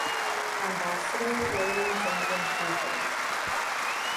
Ambassador William vanden Heuvel.